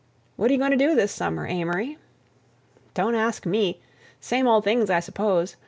"What are you going to do this summer, Amory?" "Don't ask me—same old things, I suppose.